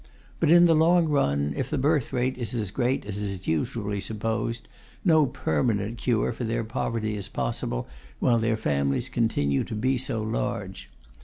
But in the long run, if the birth rate is as great as is usually supposed, no permanent cure for their poverty is possible while their families continue to be so large.